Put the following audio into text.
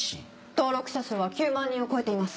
登録者数は９万人を超えています。